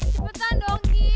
cepetan dong kim